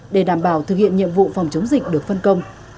để đảm bảo thực hiện nhiệm vụ phòng chống dịch được phân công